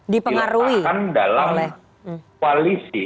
dipengaruhi oleh koalisi